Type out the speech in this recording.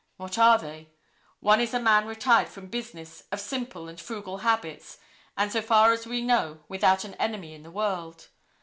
What are they? One is a man retired from business, of simple and frugal habits, and so far as we know without an enemy in the world.